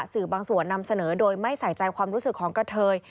สื่อบางส่วนนำเสนอโดยไม่ใส่ใจความรู้สึกของกระเทย